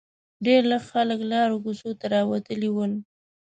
ډېر لږ خلک لارو کوڅو ته راوتلي ول.